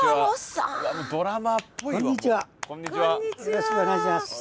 よろしくお願いします。